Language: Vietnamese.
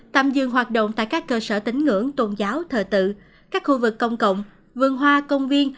tạm dừng hoạt động tại các cơ sở tính ngưỡng tôn giáo thờ tự các khu vực công cộng vườn hoa công viên